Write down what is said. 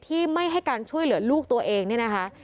ที่ไม่ให้การช่วยเหลือลูกตัวเองเนี่ยนะคะ